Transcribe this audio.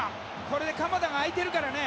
これで鎌田が空いてるからね。